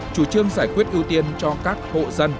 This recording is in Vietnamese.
chủ trương giải quyết ưu tiên cho các hộ dân